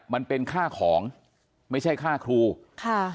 มันเป็นค่าของไม่ใช่ค่าครูค่ะ